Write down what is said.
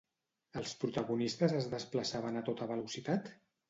Els protagonistes es desplaçaven a tota velocitat?